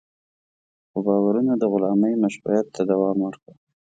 خو باورونه د غلامۍ مشروعیت ته دوام ورکړ.